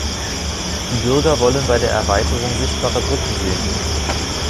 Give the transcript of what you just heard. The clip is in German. Die Bürger wollen bei der Erweiterung sichtbare Brücken sehen.